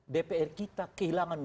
dpr kita kehilangan